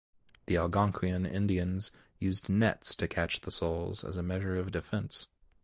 The Algonquin Indians used nets to catch souls as a measure of defense.